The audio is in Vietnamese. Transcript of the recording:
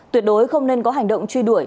tuyệt đối không nên có hành động truy đuổi